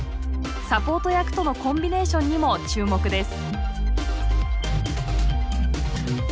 サポート役とのコンビネーションにも注目です。